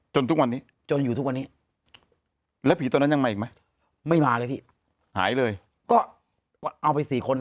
ทุกวันนี้จนอยู่ทุกวันนี้แล้วผีตอนนั้นยังมาอีกไหมไม่มาเลยพี่หายเลยก็เอาไปสี่คนอ่ะ